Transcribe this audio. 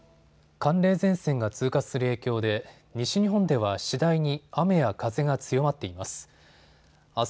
寒冷前線が通過する影響で西日本では次第に雨や風が強まっています。